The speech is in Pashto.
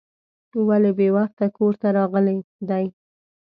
ولې بې وخته کور ته راغلی دی.